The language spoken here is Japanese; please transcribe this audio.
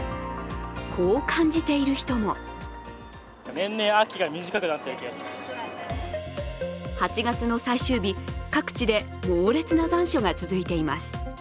こう感じている人も８月の最終日、各地で猛烈な残暑が続いています。